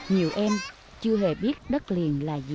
nhiều em chưa hề biết đất liền là gì